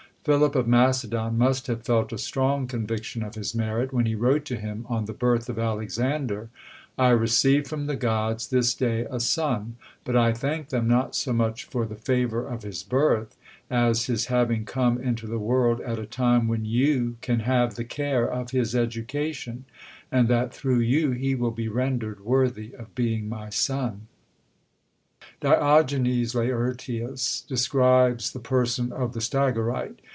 Philip of Macedon must have felt a strong conviction of his merit, when he wrote to him, on the birth of Alexander: "I receive from the gods this day a son; but I thank them not so much for the favour of his birth, as his having come into the world at a time when you can have the care of his education; and that through you he will be rendered worthy of being my son." Diogenes Laertius describes the person of the Stagyrite.